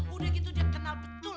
udah gitu dia kenal betul